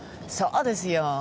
そうですよ！